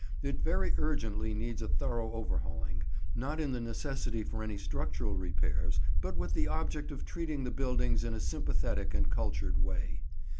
It very urgently needs a thorough overhauling, not in the necessity for any structural repairs, but with the object of treating the buildings in a sympathetic and cultured way.